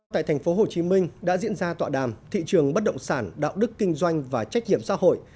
tại tp hcm đã diễn ra tọa đàm thị trường bất động sản đạo đức kinh doanh và trách nhiệm xã hội